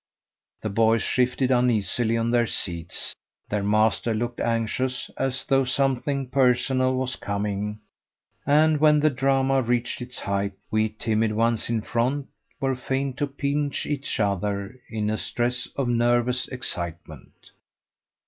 The boys shifted uneasily on their seats; their master looked anxious, as though something personal was coming; and when the drama reached its height we timid ones in front were fain to pinch each other in a stress of nervous excitement.